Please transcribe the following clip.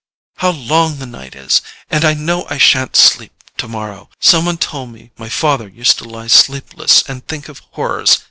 "How long the night is! And I know I shan't sleep tomorrow. Some one told me my father used to lie sleepless and think of horrors.